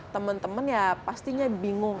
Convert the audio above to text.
teman teman ya pastinya bingung